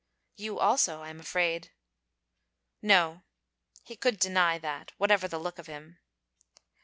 'You also, I'm afraid.' 'No.' He could deny that, whatever the look of him.